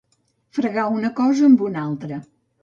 Fregar una cosa amb una altra.